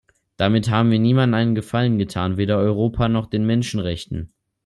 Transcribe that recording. Damit haben wir niemandem einen Gefallen getan, weder Europa noch den Menschenrechten.